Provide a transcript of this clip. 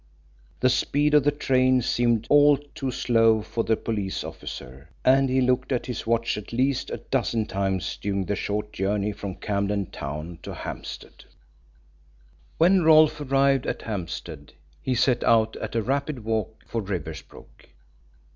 The speed of the train seemed all too slow for the police officer, and he looked at his watch at least a dozen times during the short journey from Camden Town to Hampstead. When Rolfe arrived at Hampstead he set out at a rapid walk for Riversbrook.